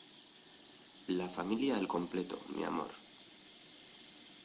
la familia al completo. mi amor